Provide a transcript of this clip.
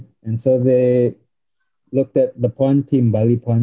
dan jadi mereka mencari tim pon tim bali pon